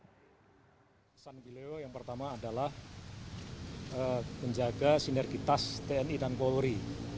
pesan beliau yang pertama adalah menjaga sinergitas tni dan polri